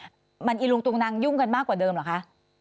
ทำให้มันอิรุงตรูงนางยุ่งกันมากกว่าเดิมเหรอคะ